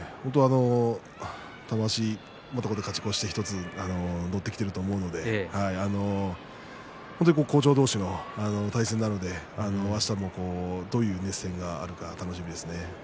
玉鷲、勝ち越して乗ってきていると思うので本当に好調同士の対戦なのであしたもどういう熱戦があるのか楽しみです。